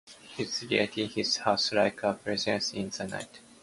His lyrics hit hard, like a blizzard in the night.